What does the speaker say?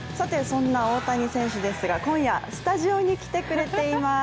そんな大谷選手ですが、今夜スタジオに来てくれています。